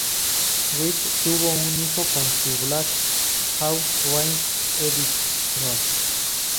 Reed tuvo un hijo con un Blackhawk, Ritter Hendrickson.